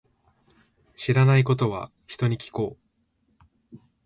知らないことは、人に聞こう。